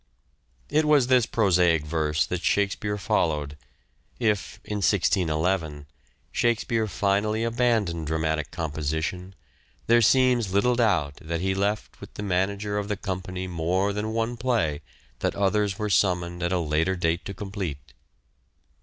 It was this prosaic course that Shakespeare followed. ... If in 1611 Shakespeare finally abandoned dra matic composition, there seems little doubt that he left with the manager of the company more than one play that others were summoned at a later date to complete."